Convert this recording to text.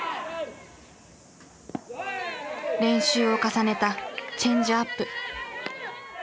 練習を重ねたチェンジアップ。